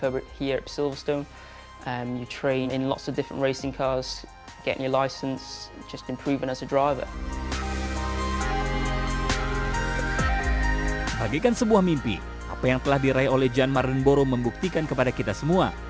bagikan sebuah mimpi apa yang telah diraih oleh john mardenborough membuktikan kepada kita semua